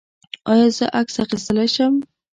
ایا زه عکس اخیستلی شم؟